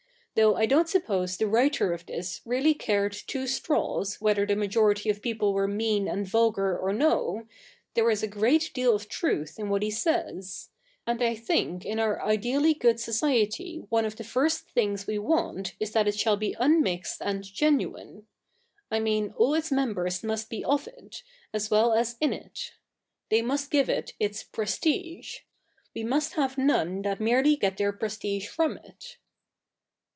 ' though I don't suppose the writer of this really cared two straws whether the majority of people were mean and vulgar or no, there is a great deal of truth in what he says : and I think in our ideally good society one of the first things we want is that it shall be unmixed and genuine ; I mean, all its members must be of it, as well as in it. They must give it ii^ prestige. We must have none that merely get their prestige from it.'